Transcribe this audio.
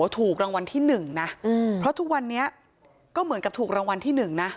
ถูกรางวัลที่๑นะเพราะทุกวันนี้ก็เหมือนกับถูกรางวัลที่๑นะ